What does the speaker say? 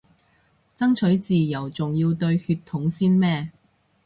爭取自由仲要對血統先咩